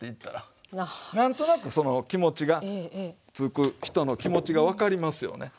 何となくその気持ちがつく人の気持ちが分かりますよね。